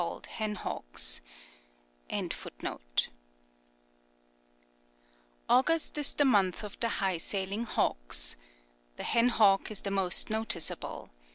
THE HEN HAWK August is the month of the high sailing hawks. The hen hawk is the most noticeable.